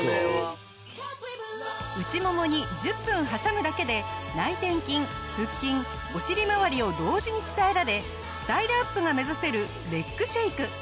内ももに１０分挟むだけで内転筋腹筋お尻まわりを同時に鍛えられスタイルアップが目指せるレッグシェイク。